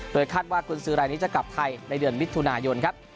คาดว่ากุญสือรายนี้จะกลับไทยในเดือนมิถุนายนครับ